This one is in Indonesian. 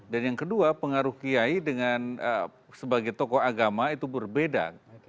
dan yang kedua pengaruh kiai dengan sebagai tokoh agama itu berbeda